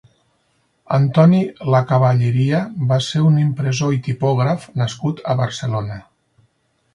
Antoni Lacavalleria va ser un impressor i tipògraf nascut a Barcelona.